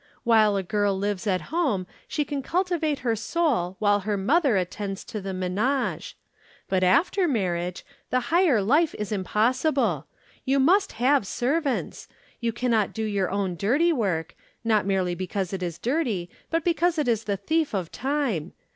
While a girl lives at home, she can cultivate her soul while her mother attends to the ménage. But after marriage, the higher life is impossible. You must have servants. You cannot do your own dirty work not merely because it is dirty, but because it is the thief of time.